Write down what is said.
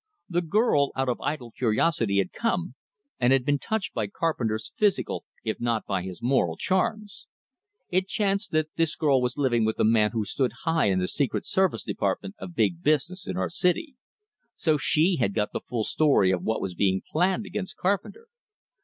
The girl, out of idle curiosity, had come, and had been touched by Carpenter's physical, if not by his moral charms. It chanced that this girl was living with a man who stood high in the secret service department of "big business" in our city; so she had got the full story of what was being planned against Carpenter.